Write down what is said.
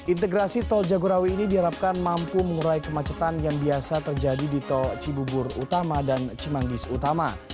integrasi tol jagorawi ini diharapkan mampu mengurai kemacetan yang biasa terjadi di tol cibubur utama dan cimanggis utama